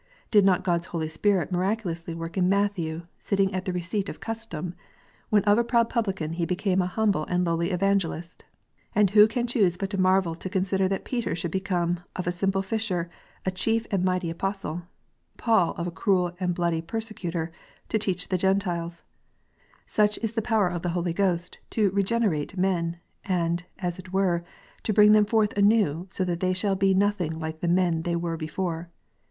Did not God s Holy Spirit miraculously work in Matthew, sitting at the receipt of custom, when of a proud publican he became a humble and lowly evangelist 1 And who can choose but marvel to consider that Peter should become, of a simple fisher, a chief and mighty Apostle 1 ? Paul of a cruel and bloody persecutor, to teach the Gentiles 1 Such is the power of the Holy Ghost to regenerate men, and, as it were, to bring them forth anew, so that they shall be nothing like the men that they were before.